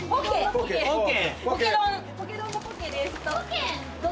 ポケ丼のポケです。